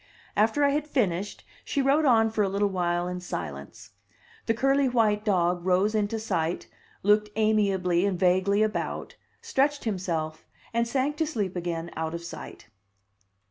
After I had finished she wrote on for a little while in silence. The curly white dog rose into sight, looked amiably and vaguely about, stretched himself, and sank to sleep again out of sight.